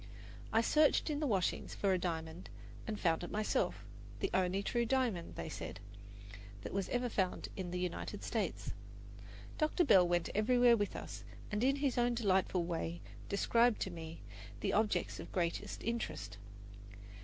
I searched in the washings for a diamond and found it myself the only true diamond, they said, that was ever found in the United States. Dr. Bell went everywhere with us and in his own delightful way described to me the objects of greatest interest.